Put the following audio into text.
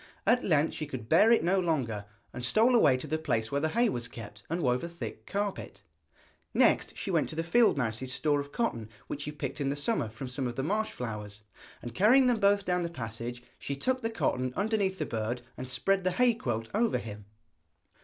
At length she could bear it no longer, and stole away to the place where the hay was kept, and wove a thick carpet. Next she went to the field mouse's store of cotton which she picked in the summer from some of the marsh flowers, and carrying them both down the passage, she tucked the cotton underneath the bird and spread the hay quilt over him.